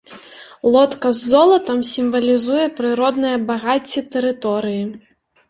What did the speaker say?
Лодка з золатам сімвалізуе прыродныя багацці тэрыторыі.